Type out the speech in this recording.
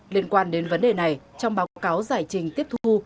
liên quan đến vấn đề này trong báo cáo giải trình tiếp thu